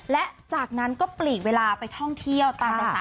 และจากนั้นก็ปลีกเวลาไปท่องเที่ยวตามภาษา